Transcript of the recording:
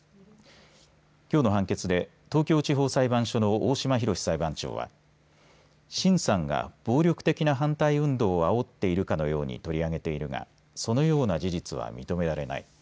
きょうの判決で東京地方裁判所の大嶋洋志裁判長は辛さんが、暴力的な反対運動をあおっているかのように取り上げているがそのような事実は認められない。